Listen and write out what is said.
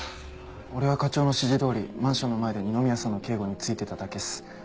俺は課長の指示通りマンションの前で二宮さんの警護についてただけっす。